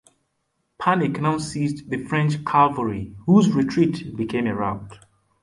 Panic now seized the French cavalry, whose retreat became a rout.